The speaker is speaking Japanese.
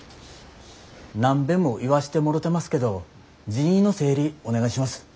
何べんも言わしてもろてますけど人員の整理お願いします。